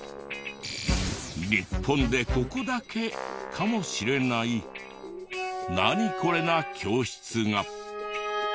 日本でここだけかもしれないナニコレな教室が。